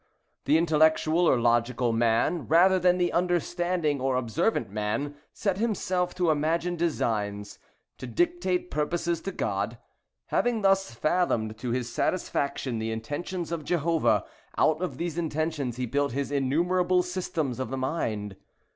The intellectual or logical man, rather than the understanding or observant man, set himself to imagine designs—to dictate purposes to God. Having thus fathomed, to his satisfaction, the intentions of Jehovah, out of these intentions he built his innumerable systems of mind.